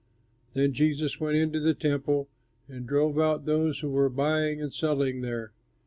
Slade] Then Jesus went into the Temple, and drove out those who were buying and selling there.